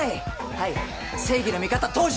はい正義の味方登場。